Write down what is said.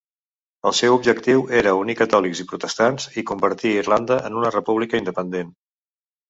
El seu objectiu era unir catòlics i protestants i convertir Irlanda en una república independent.